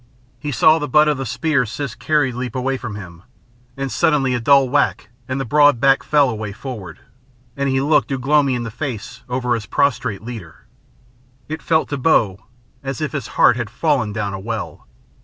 He saw the butt of the spear Siss carried leap away from him, and suddenly a dull whack and the broad back fell away forward, and he looked Ugh lomi in the face over his prostrate leader. It felt to Bo as if his heart had fallen down a well.